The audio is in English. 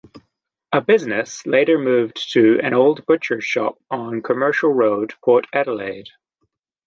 The business later moved to an old butcher's shop on Commercial Road, Port Adelaide.